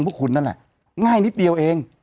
พวกคุณนั่นแหละง่ายนิดเดียวเอง